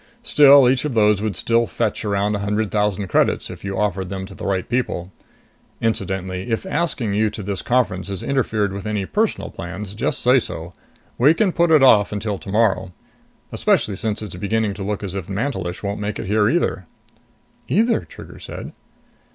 Still, each of those would still fetch around a hundred thousand credits, if you offered them to the right people. Incidentally, if asking you to this conference has interfered with any personal plans, just say so. We can put it off till tomorrow. Especially since it's beginning to look as if Mantelish won't make it here either." "Either?" Trigger said.